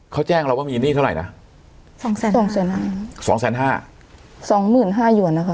เขาแจ้งเราว่ามีหนี้เท่าไหร่นะสองแสนสองแสนห้าสองแสนห้าสองหมื่นห้าหยวนนะคะ